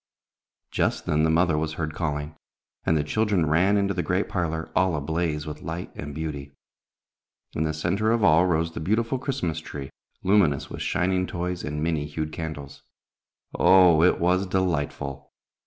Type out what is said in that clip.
Just then the mother was heard calling, and the children ran into the great parlor, all ablaze with light and beauty. In the center of all rose the beautiful Christmas tree, luminous with shining toys and many hued candles. Oh, it was delightful!